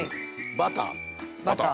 バター。